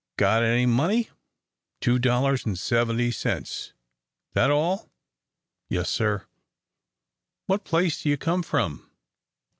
"Got any money?" "Two dollars and seventy cents." "That all?" "Yes, sir." "What place do you come from?"